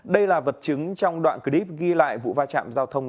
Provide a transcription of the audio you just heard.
đây là vật chứng trong đoạn clip ghi lại vụ va chạm giao thông